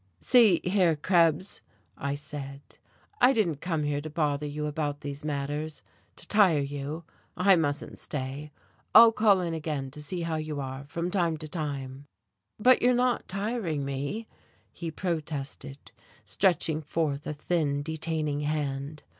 "See here, Krebs," I said, "I didn't come here to bother you about these matters, to tire you. I mustn't stay. I'll call in again to see how you are from time to time." "But you're not tiring me," he protested, stretching forth a thin, detaining hand.